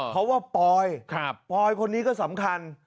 เพราะว่าปอยปอยคนนี้ก็สำคัญ